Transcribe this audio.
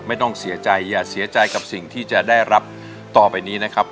ไม่ต้องเสียใจอย่าเสียใจกับสิ่งที่จะได้รับต่อไปนี้นะครับ